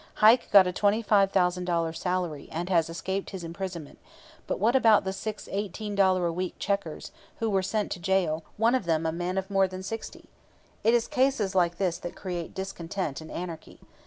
Heike got a $25,000 salary and has escaped his imprisonment, but what about the six $18 a week checkers, who were sent to jail, one of them a man of more than sixty? It is cases like this that create discontent and anarchy.